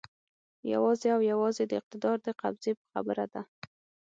یوازې او یوازې د اقتدار د قبضې خبره ده.